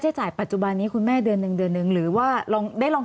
จ่ายปัจจุบันนี้คุณแม่เดือนหนึ่งเดือนหนึ่งหรือว่าลองได้ลอง